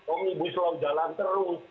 om ibu islao jalan terus